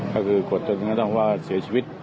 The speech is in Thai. ก็คือกดตัวเนี่ยต้องว่าเสียชีวิต